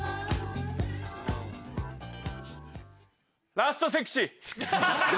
ラストセクシー。